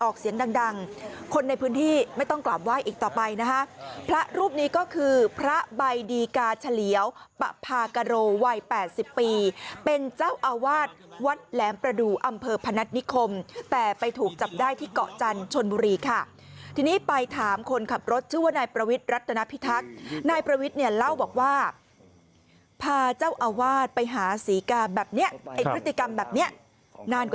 เสียงดังดังคนในพื้นที่ไม่ต้องกลับไหว้อีกต่อไปนะคะพระรูปนี้ก็คือพระใบดีกาเฉลียวปะพากโรวัย๘๐ปีเป็นเจ้าอาวาสวัดแหลมประดูกอำเภอพนัฐนิคมแต่ไปถูกจับได้ที่เกาะจันทร์ชนบุรีค่ะทีนี้ไปถามคนขับรถชื่อว่านายประวิทย์รัฐนาพิทักษ์นายประวิทย์เนี่ยเล่าบอกว่าพาเจ้าอาวาสไปหาศรีกาแบบเนี้ยไอ้พฤติกรรมแบบเนี้ยนานก